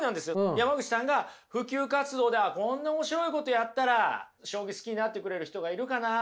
山口さんが普及活動でああこんな面白いことやったら将棋好きになってくれる人がいるかなとかね。